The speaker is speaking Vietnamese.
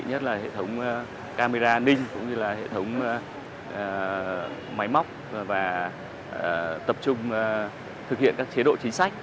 hệ thống camera ninh hệ thống máy móc và tập trung thực hiện các chế độ chính sách